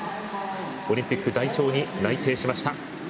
オリンピック代表に内定しました。